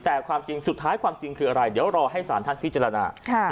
แต่ความจริงสุดท้ายความจริงคืออะไรเดี๋ยวรอให้สารท่านพิจารณา